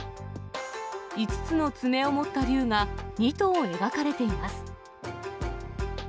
５つの爪を持った竜が２頭描かれています。